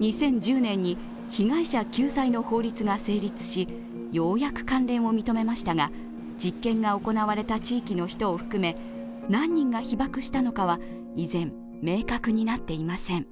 ２０１０年に被害者救済の法律が成立し、ようやく関連を認めましたが、実験が行われた地域の人を含め、何人が被ばくしたのかは依然、明確になっていません。